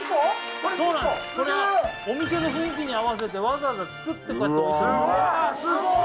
これお店の雰囲気に合わせてわざわざ作ってこうやって置いてますすごい！